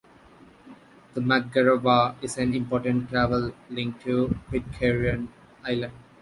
Mangareva is an important travel link to Pitcairn Island.